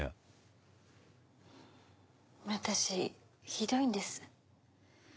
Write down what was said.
私ひどいんです。